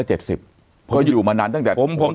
พออายุเยอะไปไมไมี่มีส่วนด้วยความอารมณ์ครับคุณอาทิสรเองก็๗๐